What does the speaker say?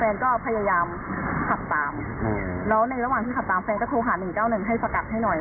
แฟนก็พยายามขับตามแล้วในระหว่างที่ขับตามแฟนก็โทรหา๑๙๑ให้สกัดให้หน่อย